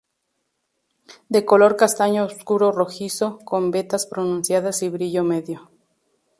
De color castaño oscuro rojizo, con vetas pronunciadas y brillo medio.